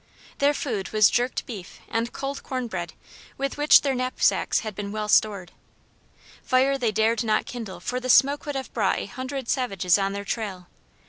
Their food was jerked beef and cold corn bread, with which their knapsacks had been well stored. Fire they dared not kindle for the smoke would have brought a hundred savages on their trail.